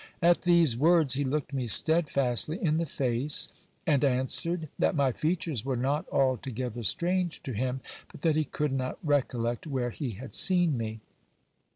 At these words he looked me steadfastly in the face, and answered that my features were not altogether strange to him, but that he could not recollect where he had seen me.